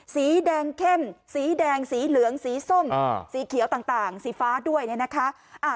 สีแดงเข้มสีแดงสีเหลืองสีส้มสีเขียวต่างสีฟ้าด้วยเนี่ยนะคะ